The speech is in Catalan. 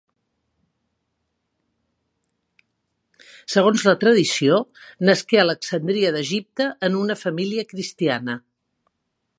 Segons la tradició, nasqué a Alexandria d'Egipte en una família cristiana.